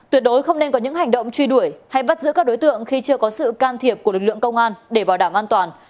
tuyệt đối không nên có những hành động truy đuổi hay bắt giữ các đối tượng khi chưa có sự can thiệp của lực lượng công an để bảo đảm an toàn